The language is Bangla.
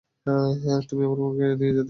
তুমি আমার বোনকে নিয়ে যেতে পারো না।